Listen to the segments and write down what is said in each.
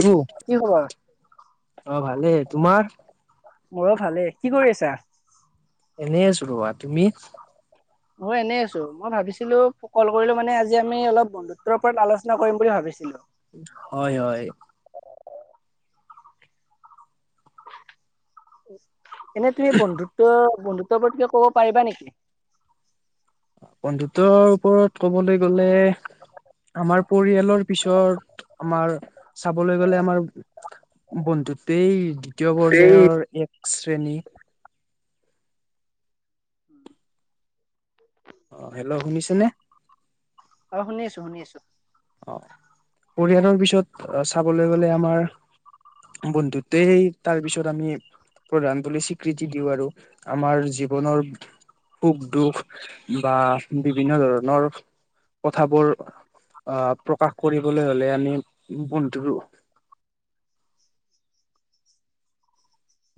আৰু কি খবৰ? অ' ভালে। তোমাৰ? মোৰো ভালে। কি কৰি আছা? এনে আছোঁ ৰবা! তুমি? ম‌ই এনেই আছোঁ, মই ভাবিছিলোঁ কল কৰিলোঁ মানে আজি আমি অলপ [unintelligible] ওপৰত আলোচনা কৰিম বুলি ভাবিছিলোঁ। হয় হয়। এনেই তুমি বন্ধুত্ব, বন্ধুত্ব ওপৰত কিবা ক'ব পাৰিবা নেকি? বন্ধুত্বৰ ওপৰত ক'বলৈ গ'লে আমাৰ পৰিয়ালৰ পিছৰ আমাৰ চাবলৈ গলে আমাৰ বন্ধুতেই দ্বিতীয় এই পৰ্যায়ৰ এক শ্ৰেণী। অ' হেল্লো'! শুনিছেনে? অ' শুনি আছোঁ শুনি আছোঁ। অ' পৰিয়ালৰ পিছত চাবলৈ গলে আমাৰ বন্ধুতেই তাৰপিছত আমি। প্ৰধান বুলি স্বীকৃতি দিওঁ আৰু আমাৰ জীৱনৰ সুখ-দুখ বা বিভিন্ন ধৰণৰ কথাবোৰ আ' প্ৰকাশ কৰিবলৈ হ'লে আমি বন্ধুৰ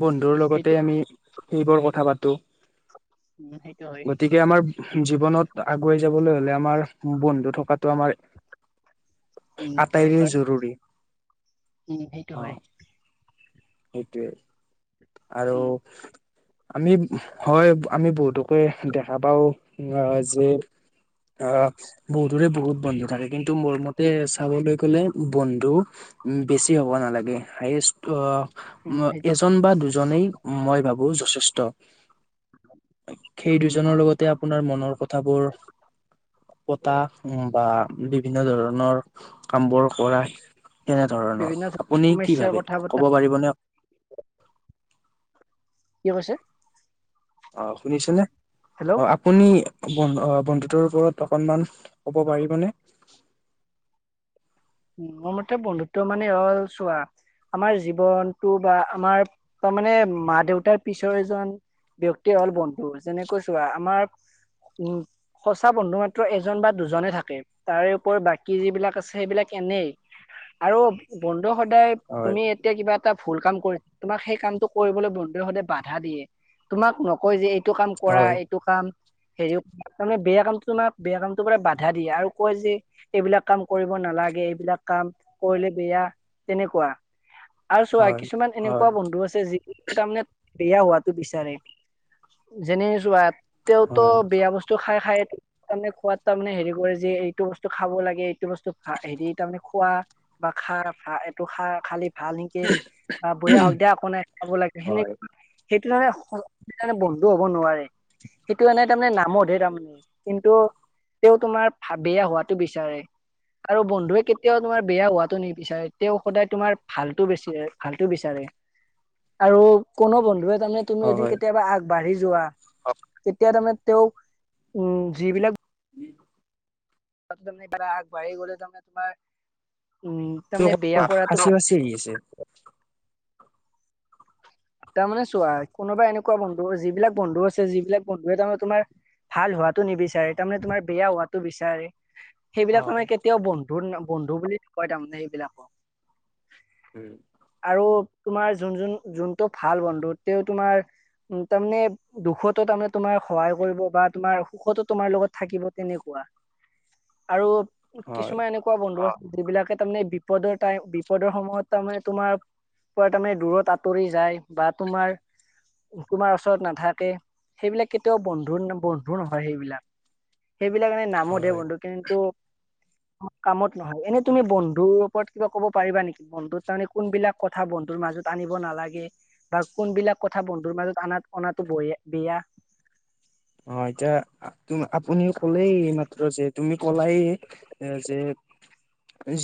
বন্ধুৰ লগতে সেইটো আমি সেইবোৰ কথা পাতো। উম সেইটো হয়। গতিকে আমাৰ জীৱনত আগুৱাই যাবলৈ হলে আমাৰ বন্ধু থকাতো আমাৰ উম আটাইৰে দৰকাৰ জৰুৰী। উম সেইটো অ হয়। সেইটোৱে, আৰু উম আমি হয়, আমি বহুতকে দেখা পাওঁ আহ যে। আ বহুতৰে বহুত বন্ধু থাকে, কিন্তু মোৰ মতে চাবলৈ গ'লে বন্ধু উম, বেছি হ'ব নালাগে। হায়েষ্ট উম আহ সেইটো এজন বা দুজনেই মই ভাবো যথেষ্ট। সেই উম দুজনৰ হয়। লগতে আপোনাৰ মনৰ কথাবোৰ পতা বা বিভিন্ন ধৰণৰ কামবোৰ কৰা। তেনে ধৰণৰ বিভিন্ন আপুনি কি সমস্যাৰ ভাবে? কথা পতা ক'ব পাৰিবনে আ কিয় কৈছে? অ' শুনিছেনে? হেল্ল' অ' আ আপুনি বন্ধু অ' বন্ধুত্বৰ ওপৰত অকণমান ক'ব পাৰিবনে? মোৰ মতে বন্ধুত্ব মানে হল চোৱা। আমাৰ জীৱনটো বা আমাৰ তাৰমানে মা, দেউতাৰ পিছৰ এজন ব্যক্তিয়ে হ'ল বন্ধু। যেনেকৈ চোৱা আমাৰ উম সঁচা বন্ধু মাত্ৰ এজন বা দুজনে থাকে। তাৰে ওপৰত বাকী যিবিলাক আছে সেইবিলাক এনেই। আৰু বন্ধু সদায় হয় তুমি- তেতিয়া কিবা এটা ভুল কাম কৰিছো, তোমাক সেই কামটো কৰিবলৈ বন্ধুৱে সদায় বাধা দিয়ে। তোমাক নকয় যে এইটো কাম কৰা হয় এইটো কাম। হেৰিও- তাৰমানে বেয়া কামটো তোমাৰ বেয়া কামটোৰ পৰা বাধা দিয়ে, আৰু কয় যে এইবিলাক কাম কৰিব নালাগ- গে এইবিলাক কাম কৰিলে বেয়া তেনেকুৱা। আৰু চোৱা হয় কিছুমান সেনেকুৱা হয় বন্ধু আছে যি- তাৰমানে বেয়া হোৱাটো বিচাৰে। যেনে চোৱা, - তেওঁতো হয় বেয়া বচ- টো খাই খাই তাৰমানে খোৱাত তাৰমানে হেৰি কৰে যে এইটো বস্তু খাব লাগে এইটো বস্তু খা। হেৰি তাৰমানে খোৱা- বা খা খা এইটো খা খালি- ভাল নেকি বা বেয়া হওক দিয়া একো নাই খাব লাগে। সেনেক- হয় সেইটো তাৰমানে বন্ধু হব নোৱাৰে। সেইটো মানে তাৰমানে নামতহে তাৰমানে। কিন্তু, তেওঁ তোমাৰ ভা বেয়া হোৱাটো বিচাৰে। আৰু বন্ধুৱে কেতিয়াও তোমাৰ বেয়া হোৱাতো নিবিচাৰে, তেওঁ সদায় তোমাৰ ভালতো বেচি ভালটো বিচাৰে। আৰু কোনো বন্ধুৱে তাৰমানে- তুমিও এদিন হয় কেতিয়াবা আগবাঢ়ি যোৱা, তেতিয়া তাৰমানে তেওঁ উম যিবিলাক- কি? তাত তামানে পুৰা আগবাঢ়ি গলে তাৰমানে তোমাৰ উম' তাৰমানে বেয়া কৰাটো- হি আছে। তাৰমানে চোৱা কোনোবা এনেকুৱা বন্ধু যিবিলাক বন্ধু আছে, যিবিলাক বন্ধুৱে তাৰমানে তোমাৰ- ভাল হোৱাটো নিবিচাৰে তাৰমানে তোমাৰ বেয়া হোৱাটো বিচাৰে। সেইবিলাক হয় মানে কেতিয়াও বন্ধু ন বন্ধু বুলি নকয় তাৰমানে সেইবিলাকক। উম' আৰু তোমাৰ যোন যোন যোনটো ভাল বন্ধু তেওঁ তোমাৰ উম তাৰমানে- দুখতো তাৰমানে তোমাৰ সহায় কৰিব বা তোমাৰ সুখতো তোমাৰ লগত থাকিব তেনেকুৱা। আৰু হয় কিছুমান এনেক- কোৱা বন্ধু, যিবিলাকে তাৰমানে বিপদৰ টাই বিপদৰ সময়ত তাৰমানে তোমাৰ- পৰা তাৰমানে দূৰত আঁতৰি যায় বা তোমাৰ- তোমাৰ ওচৰত নাথাকে, সেইবিলাক কেতিয়াও বন্ধুৰ বন্ধু নহয় সেইবিলাক। সেইবিলাক এনেই নামতহে হয় বন্ধু, কিন্তু- কামত নহয় এনেই তুমি বন্ধুৰ ওপৰত কিবা ক'ব পাৰিবা নেকি বন্ধুত তাৰমানে কোনবিলাক- কথা বন্ধুৰ মাজত আনিব নালাগে। বা কোনবিলাক কথা বন্ধুৰ মাজত অনা অনাতো বয়া বেয়া? অঁ এতিয়া আতুম আপুনিও ক'লেই এইমাত্ৰ যে, তুমি কলাই- এ যে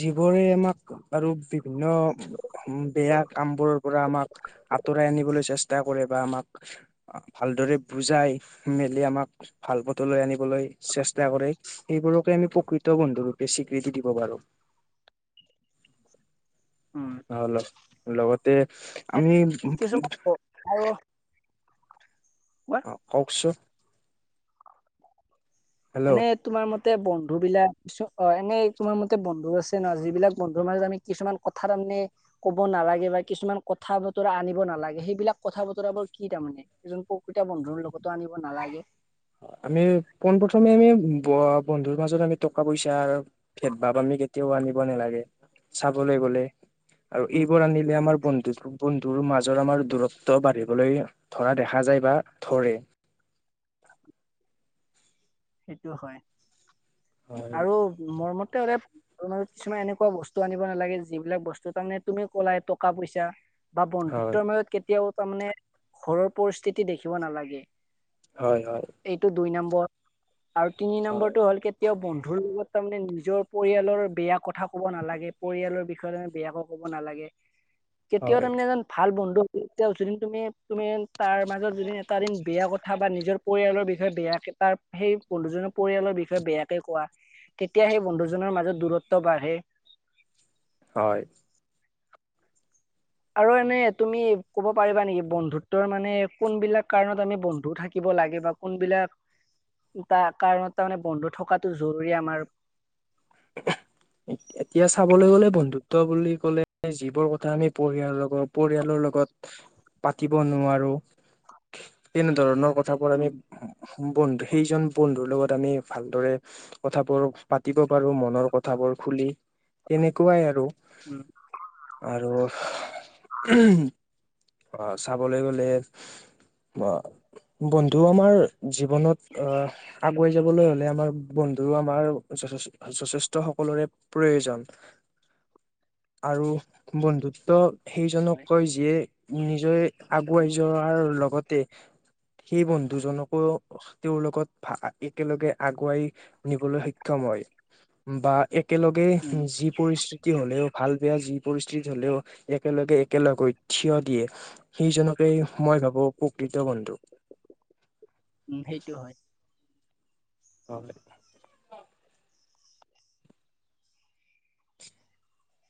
যিবোৰে আমাক আৰু বিভিন্ন- বেয়া কামবোৰৰ পৰা আমাক আঁতৰাই আনিবলৈ চেষ্টা কৰে বা আমাক- ভালদৰে বুজাই মেলি আমাক ভাল পথলৈ আনিবলৈ চেষ্টা কৰে। এইবোৰকে আমি প্ৰকৃত বন্ধুৰূপে স্বীকৃতি দিব পাৰো। উম' অঁ ল লগতে আমি- কিছুমান আৰু- অঁ, কওকচোন? হেল্ল' এনেই তোমাৰ মতে বন্ধু বিলাক- চু হয় নেই তোমাৰ মতে বন্ধু আছে ন, যিবিলাক বন্ধুৰ মাজত আমি কিছুমান কথা তামানে- ক'ব নালাগে বা কিছুমান কথা বতৰা আনিব নালাগে সেইবিলাক কথা বতৰাবোৰ কি তাৰমানে? এজন প্ৰকৃতা বন্ধুৰ লগতো আনিব নালাগে। আমি পোনপ্ৰথমে আমি ব বন্ধুৰ মাজত আমি টকা - পইচা ভেদ ভাৱ আমি কেতিয়াও আনিব নালাগে, চাবলৈ গলে। আৰু উম এইবোৰ আনিলে আমাৰ বন্ধুত বন্ধুৰ মাজৰ আমাৰ দূৰত্ব বাঢ়িবলৈ ধৰা দেখা যায় বা ধৰে। সেইটো হয় হয় আৰু মোৰ মতে হলে [unintelligible] এনেকুৱা বস্তু আনিব নালাগে যিবিলাক বস্তু তাৰমানে তুমি কলাই টকা - পইচা বা হয় বন্ধুত্বৰ মাজত কেতিয়াও তাৰমানে ঘৰৰ পৰিস্থিতি দেখিব নালাগে। হয়- হয়। এইটো দুই নম্বৰ আৰু তিনি হয় নম্বৰটো হ'ল কে তিয়াও বন্ধুৰ লগত তাৰমানে নিজৰ পৰিয়ালৰ বেয়া কথা ক'ব নালাগে, পৰিয়ালৰ বিষয়ে বেয়া ক কব নালাগে, কেতিয়াও হয় তাৰমানে এজন ভাল বন্ধু [unintelligible] তুমি তুমি তাৰ মাজত যদি এটা দিন বেয়া কথা বা নিজৰ পৰিয়ালৰ বিষয়ে বেয়াকে তাৰ সেই বন্ধুজনৰ পৰিয়ালৰ বিষয়ে বেয়াকে কোৱা তেতিয়া সেই বন্ধুজনৰ মাজত দূৰত্ব বাঢ়ে। হয়। আৰু এনে তুমি কব পাৰিবা নেকি? বন্ধুত্বৰ মানে কোনবিলাক কাৰণত আমি বন্ধু থাকিব লাগে বা কোনবিলাক ও তা কাৰণত তাৰ মানে বন্ধু থকাটো জৰুৰী আমাৰ? [inaudible] এত এতিয়া চাবলৈ গ'লে, বন্ধুত্ব বুলি ক'লে যিবোৰ কথা আমি পৰিয়াল লগত পৰিয়ালৰ লগত পাতিব নোৱাৰো তেনে ধৰণৰ কথাবোৰ আমি উম বন্ধু সেইজন বন্ধুৰ লগত আমি ভালদৰে কথাবোৰ পাতিব পাৰো মনৰ কথাবোৰ খুলি তেনেকুৱাই আৰু। উম। আৰু উহ, আহ চাবলৈ গলে বা বন্ধু আমাৰ জীৱনত আহ আগুৱাই যাবলৈ হলে আমাৰ বন্ধু আমাৰ যথেষ যথেষ্ট সকলোৰে প্ৰয়োজন আৰু বন্ধুত্ব সেইজনক হয় কয় যিয়ে নিজে আগুৱাই যোৱাৰ লগতে সেই বন্ধুজনকো তেওঁৰ লগত ভা একেলগে আগুৱাই নিবলৈ সক্ষম হয়। বা একেলগে উম যি পৰিস্থিতি হলেও ভাল বেয়া যি পৰিস্থিতি হলেও একেলগে একেলগ হৈ থিয় দিয়ে। সিজনকেই মই ভাবোঁ প্ৰকৃত বন্ধু। উম, সেইটো হয়। হয়।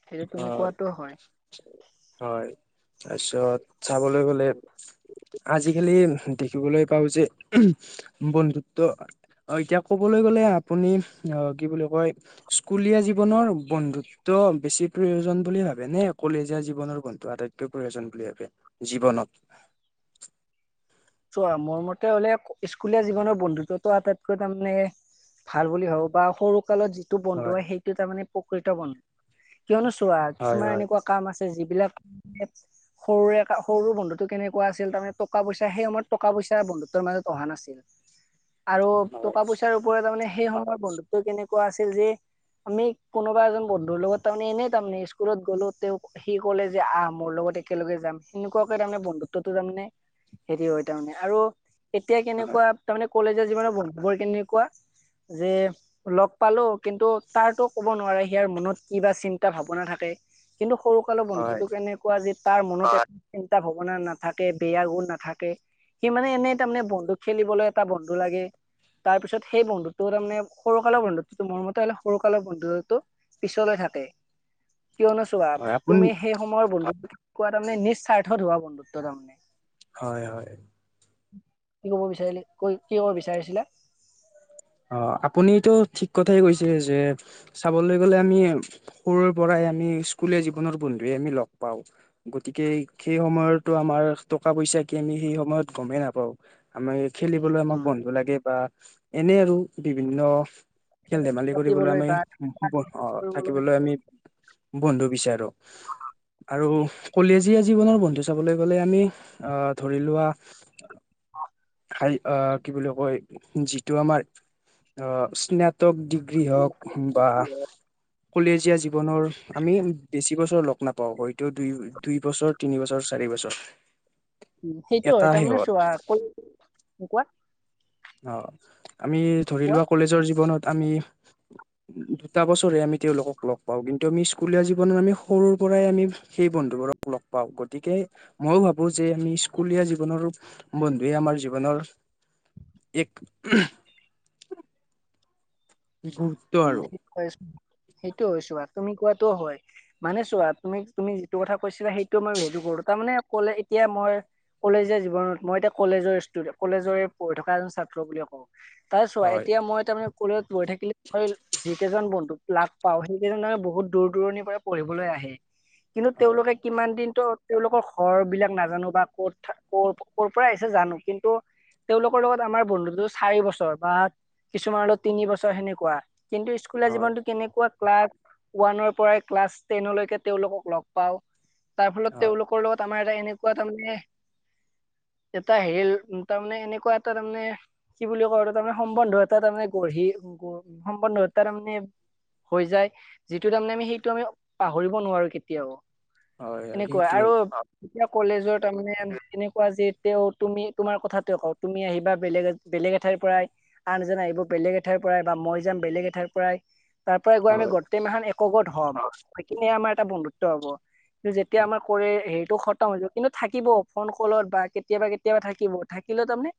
সেইটো অ, তুমি কোৱাটো হয়। হয় তাৰপিছত চাবলৈ গ'লে আজিকালি দেখিবলৈ পাওঁ যে উহম বন্ধুত্ব অ, এতিয়া কবলৈ গলে আপুনি অ, কি বুলি কয় স্কুলীয়া জীৱনৰ বন্ধুত্ব বেছি প্ৰয়োজন বুলি ভাবে নে কলেজীয়া জীৱনৰ বন্ধু আটাইতকৈ প্ৰয়োজন বুলি ভাবে জীৱনত? চোৱা, মোৰ মতে হলে স্কুলীয়া জীৱনৰ বন্ধুত্বটো আটাইতকৈ তাৰমানে ভাল বুলি ভাবো বা সৰু কালত যিটো বন্ধু হয় সেইটো তাৰমানে প্ৰকৃত বন কিয়নো চোৱা, হয় কিছুমান হয় এনেকুৱা কাম আছে যিবিলাক সৰুৰে কা সৰু বন্ধুটো কেনেকুৱা আছিল তাৰমানে টকা - পইচ সেই সময়ত টকা পইচা বন্ধুত্বৰ মাজত অহা নাছিল আৰু হয় টকা পইচাৰ- তাৰমানে সেই সময়ৰ বন্ধুত্ব কেনেকুৱা আছিল যে- আমি কোনোবা এজন বন্ধুৰ লগত তাৰমানে এনেই তাৰমানে স্কুলত গ'লো, তেওঁ- সি ক'লে যে আহ মোৰ লগত একেলগে যাম, সেনেকুৱাকে তাৰমানে বন্ধুত্বটো তাৰমানে- হেৰি হয় তাৰমানে আৰু এতিয়া হয় কেনেকুৱা তাৰমানে কলেজীয়া জীৱনৰ বন্ধুবোৰ কেনেকুৱা- যে- লগ পালো কিন্তু তাৰ ত ক'ব নোৱাৰে, সিয়াৰ মনত কি বা চিন্তা -ভাৱনা থাকে। কিন্তু সৰু কালৰ হয় বন্ধুতটো কেনে- কোৱা তাৰ এক চিন্তা ভাৱনা নাথাকে, বেয়া গুণ নাথাকে, - সি মানে এনে তাৰমানে বন্ধু খেলিবলৈ এটা বন্ধু লাগে। তাৰপিছত সেই বন্ধুটো তাৰ মানে সৰুকালৰ বন্ধুটো, মোৰ মতে হলে সৰুকালৰ বন্ধুটো- পিছলৈ থাকে। কিয় নো চোৱা হয় আপোন তুমি সেই সময়ৰ বন্ধুত্ব কোৱা তাৰমানে নিস্বাৰ্থত হোৱা বন্ধুত্ব তাৰমানে। হয়, হয়। কি কব বিচাৰিলি, ক কি ক'ব বিচাৰিছিলা? অঁ, আপুনিটো ঠিক কথাই কৈছে যে- চাবলৈ গলে আমি সৰুৰে পৰাই আমি স্কুলীয়া জীৱনৰ বন্ধুৱে আমি লগ পাওঁ। গতিকে সেই সময়তো আমাৰ টকা পইচা কি আমি সেই সময়ত গমেই নাপাওঁ। আমাক খেলিবলৈ আমাক উম, বন্ধু লাগে বা- এনেই আৰু বিভিন্ন খেল ধেমালি কৰিবলৈ পাতিবলৈ আমি, বা কৰিবলৈ থাকিবলৈ আমি- বন্ধু বিচাৰোঁ। আৰু কলেজীয়া জীৱনৰ বন্ধু চাবলৈ গলে আমি আহ ধৰি লোৱা- অঁ। হাই কি বুলি কয় যিটো আমাৰ অঁ স্নেপ- টো ডিগ্ৰী হওঁক বা কলেজীয়া - জীৱনৰ আমি বেছি বছৰ লগ নাপাওঁ, হয়তো দুই দুই বছৰ, তিনি বছৰ, চাৰি বছৰ। উম, সেইটো এটা হয় তাৰমানে শেহত চোৱা ক কোৱা? অঁ, আমি ধৰি কোৱা লোৱা কলেজৰ জীৱনত আমি- [inaudible] দুটা বছৰে আমি তেওঁওলোকক লগ পাওঁ কিন্তু আমি স্কুলীয়া জীৱনত আমি সৰুৰ পৰাই আমি- সেই বন্ধুবোৰক লগ পাওঁ। গতিকে- মইয়ো ভাবো যে আমি স্কুলীয়া জীৱনৰ বন্ধুৱে আমাৰ জীৱনৰ- এক- গু- উম, সেইটোও হয়, চোৱা তুমি কোৱাতটোও হয়। মানে চোৱা তুমি তুমি যিটো কথা কৈছিলা সেইটো মই হেৰি কৰো তাৰমানে ক'লে এতিয়া মই- কলেজীয়া জীৱনত মই এতিয়া কলেজৰ ষ্টুেট কলেজৰে পঢ়ি থকা এজন ছাত্ৰ বুলিয়ে কওঁ। তাৰ চোৱা হয় এতিয়া মই তাৰমানে কলেজত গৈ থাকিলে- হয় যি কেইজন বন্ধুক লাভ পাওঁ সেই কেইজন মানে বহুত দূৰ দূৰণিৰ পঢ়িবলৈ আহে। কিন্তু হয় তেওঁলোকে- কিমান দিনতো তেওঁলোকৰ ঘৰ বিলাক নাজানো বা ক'ত ক' ক'ৰ পৰা আহিছে জানো কিন্তু- তেওঁলোকৰ লগত আমাৰ বন্ধুতো চাৰি বছৰ বা কিছুমানৰ লগত তিনি বছৰ সেনে- কোৱা, কিন্তু স্কুলৰ হয় জীৱনতটো কেনেকুৱা? ক্লাছ ওৱানৰ পৰাই ক্লাছ টেনলৈকে তেওঁলোকক লগ- পাওঁ। তাৰ ফলত হয় তেওঁলোকৰ লগত আমাৰ এটা এনেকুৱা তাৰ মানে- এটা হেল তাতমানে এনেকুৱা এটা তাৰ মানে কি বুলি কয় আৰু তাৰমানে সম্বন্ধ এটা তাৰমানে গঢ়ি উ সম্বন্ধ এটা তাৰমানে হৈ যায় যিটো তাৰমানে আমি সেইটো আমি পাহৰিব নোৱাৰো কেতিয়াও। হয় হয় এনেকুৱা সেইটোৱে আৰু এতিয়া কলেজৰ তাৰমানে এনেকুৱা যে তুমি তোমাৰ কথাটোৱে কওঁ, তুমি আহিবা বেলেগ এজ বেলেগ এঠাইৰ পৰাই আন এজন আহিব, বেলেগ এঠাইৰ পৰাই বা মই যাম বেলেগ এঠাইৰ পৰাই। তাৰ পৰাই গৈ আমি হয় গোটেই মাহ এক গোট হম, সেইখিনিয়ে আমাৰ এটা বন্ধুত্ব হ'ব। কিন্তু যেতিয়া আমাৰ কৰি হেৰিটো খত ম হৈ যাব। কিন্তু থাকিব ফোন কলত বা কেতিয়াবা কেতিয়াবা থাকিব। থাকিলেও তাৰমানে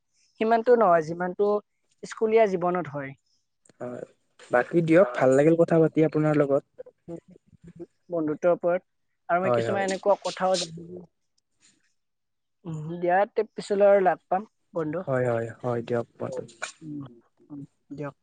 সিমানতটো নহয় যিমানতটো স্কুলীয়া জীৱনত হয়। হয়। বাকী দিয়ক ভাল লাগিল কথা পাতি আপোনাৰ লগত। বন্ধুত্বৰ ওপৰত, আৰু আমি হয় কিছুমান হয় এনেকুৱা কথা দিয়া পিছলৈ আৰু লগ পাম। হয়, হয়, হয় দিয়ক পাতো। উম দিয়ক।